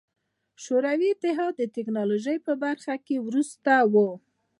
شوروي اتحاد د ټکنالوژۍ په برخه کې وروسته و.